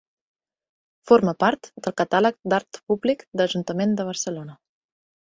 Forma part del Catàleg d'art públic de l'Ajuntament de Barcelona.